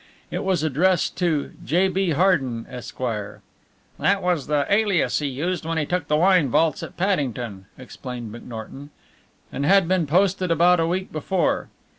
It was addressed to "J. B. Harden, Esq." ("That was the alias he used when he took the wine vaults at Paddington," explained McNorton) and had been posted about a week before.